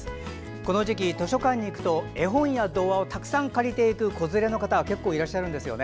この時期、図書館に行くと絵本や童話をたくさん借りていく子連れの方結構いらっしゃるんですよね。